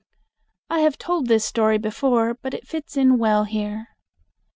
I have told this story before, but it fits in well here.